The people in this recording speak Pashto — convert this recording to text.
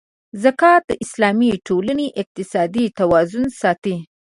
زکات د اسلامي ټولنې اقتصادي توازن ساتي.